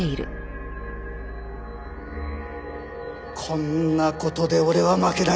こんな事で俺は負けないぞ。